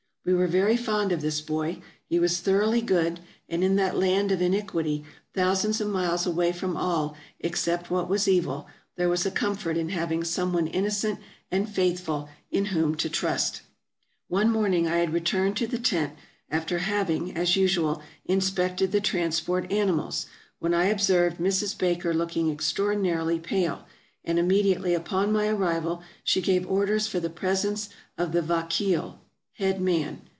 We were very fond of this boy ; he was thoroughly good ; and in that land of iniquity, thousands of miles away from all except what was evil, there was a comfort in having some one innocent and faithful, in whom to trust. One morning I had returned to the tent after having, as usual, inspected the transport animals, when I observed Mrs. Baker looking extraordinarily pale, and immediately upon my arrival she gave orders for the presence of the vakeel (headman).